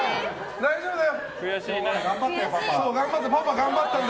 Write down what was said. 大丈夫だよ。